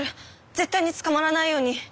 絶対に捕まらないように」。